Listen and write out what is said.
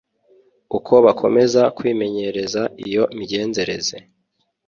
Uko bakomeza kwimenyereza iyo migenzereze